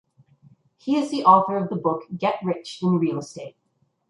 He is the author of the book "Get Rich in Real Estate".